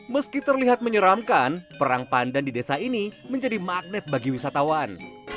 meski terlihat menyeramkan perang pandan di desa ini menjadi magnet bagi wisatawan